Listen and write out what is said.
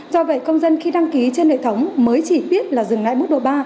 do vậy công dân khi đăng ký trên hệ thống mới chỉ biết là dừng lại mức độ ba